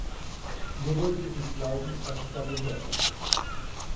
Nur wollte ich nicht glauben, was ich da gehört hatte.